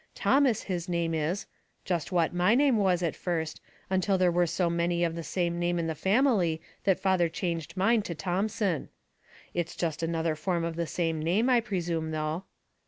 Thomas his name is; just what my name was at first, until there were so many of the same name in the family that fatiier changed mine to Thomson. It's just another form of the same name, I presume, though."